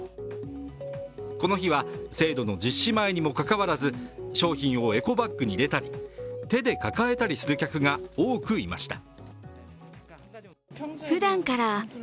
この日は、制度の実施前にもかかわらず、商品をエコバッグに入れたり、手で抱えたりする客が多くいました。